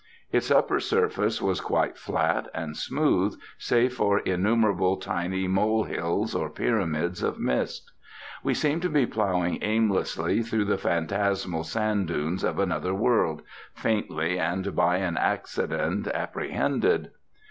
Its upper surface was quite flat and smooth, save for innumerable tiny molehills or pyramids of mist. We seemed to be ploughing aimlessly through the phantasmal sand dunes of another world, faintly and by an accident apprehended.